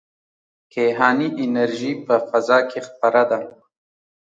کیهاني انرژي په فضا کې خپره ده.